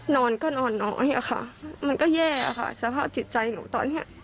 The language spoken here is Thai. นอนก็นอนน้อยอะค่ะมันก็แย่ค่ะสภาพจิตใจหนูตอนนี้